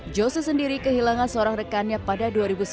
joseph sendiri kehilangan seorang rekannya pada dua ribu sembilan